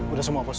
udah semua pos